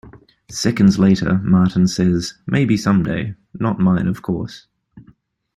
Seconds later Martin says, "Maybe someday; not mine, of course".